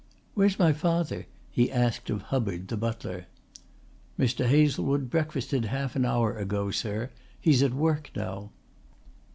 "Where's my father?" he asked of Hubbard the butler. "Mr. Hazlewood breakfasted half an hour ago, sir. He's at work now."